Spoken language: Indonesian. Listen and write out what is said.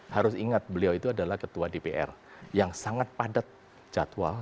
harus ingat beliau itu adalah ketua dpr yang sangat padat jadwal